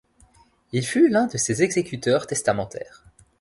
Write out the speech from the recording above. Il fut l'un de ses exécuteurs testamentaires.